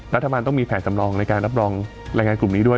รัฐบาลต้องมีแผนสำรองในการรับรองแรงงานกลุ่มนี้ด้วย